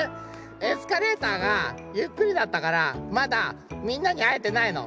エスカレーターがゆっくりだったからまだみんなにあえてないの！